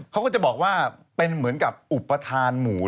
เขาก็จะบอกว่าเป็นเหมือนกับอุปทานหมู